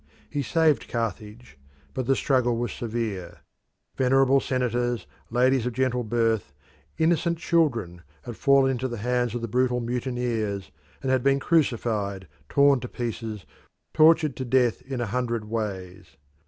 He saved Carthage, but the struggle was severe. Venerable senators, ladies of gentle birth, innocent children, had fallen into the hands of the brutal mutineers, and had been crucified, torn to pieces, tortured to death in a hundred ways.